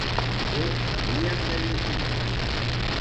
Què havien de llegir?